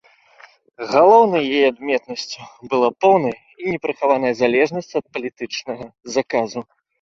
Галоўнай яе адметнасцю была поўная і непрыхаваная залежнасць ад палітычнага заказу.